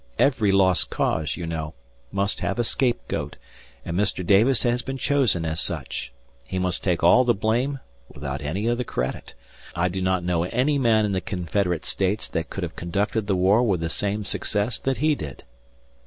Every lost cause, you know, must have a scapegoat, and Mr. Davis has been chosen as such; he must take all the blame without any of the credit. I do not know any man in the Confederate States that could have conducted the war with the same success that he did."